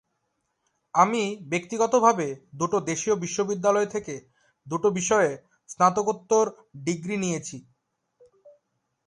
আমি ব্যক্তিগতভাবে দুটো দেশীয় বিশ্ববিদ্যালয় থেকে দুটো বিষয়ে স্নাতকোত্তর ডিগ্রি নিয়েছি।